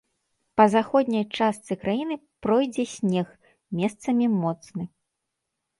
Па заходняй частцы краіны пройдзе снег, месцамі моцны.